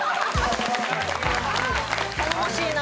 頼もしいな。